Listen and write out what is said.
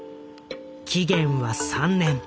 期限は３年。